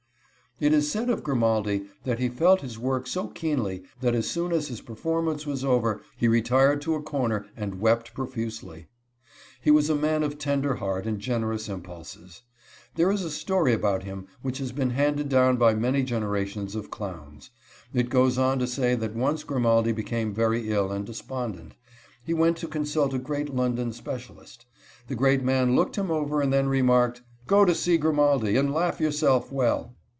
It is said of Grimaldi that he felt his work so keenly that as soon as his performance was over, he retired to a corner and wept profusely. He was a man of tender heart and generous impulses. There is a story about him which has been handed down by many generations of clowns. It goes on to say that once Grimaldi became very ill and despondent. He went to consult a great London specialist. The great man looked him over, and then remarked: "Go to see Grimaldi, and laugh yourself well."